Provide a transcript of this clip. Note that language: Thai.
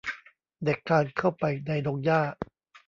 เด็กคลานเข้าไปในดงหญ้า